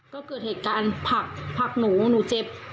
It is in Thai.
ก็เกิดเหตุการณ์ผักหนูหนูเจ็บ